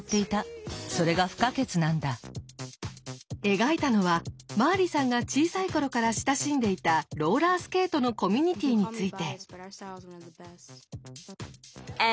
描いたのはマーリさんが小さい頃から親しんでいたローラースケートのコミュニティーについて。